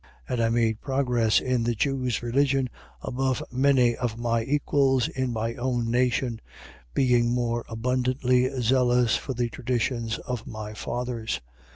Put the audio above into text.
1:14. And I made progress in the Jew's religion above many of my equals in my own nation, being more abundantly zealous for the traditions of my fathers.